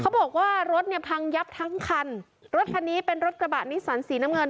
เขาบอกว่ารถเนี่ยพังยับทั้งคันรถคันนี้เป็นรถกระบะนิสันสีน้ำเงิน